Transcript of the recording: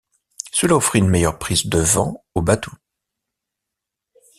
Cela offrit une meilleure prise de vent au bateau.